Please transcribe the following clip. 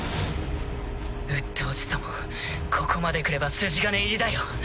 うっとうしさもここまでくれば筋金入りだよ。